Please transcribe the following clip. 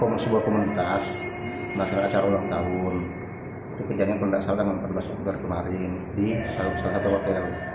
ada sebuah komunitas masyarakat ulang tahun kejadian pendasar empat belas oktober kemarin di salah satu hotel